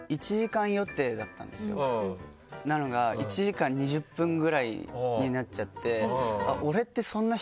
なのが１時間２０分ぐらいになっちゃって。